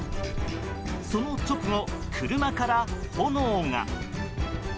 その直後、車から炎が。